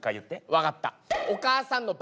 分かった。